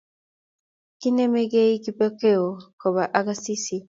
Kiinem kei Kipokeo Koba ak Asisi